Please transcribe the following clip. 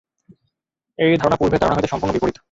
এই ধারণা পূর্বের ধারণা হইতে সম্পূর্ণ বিপরীত।